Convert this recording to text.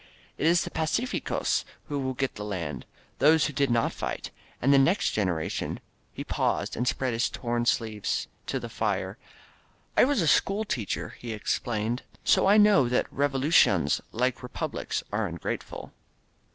It is the pacificos who will get the land — those who did not fight. And the next generation. ..." He paused and spread his torn sleeves to the fire. "I was a school teacher," he explained, "so I know that Revolucions, like Republics, are ungrateful.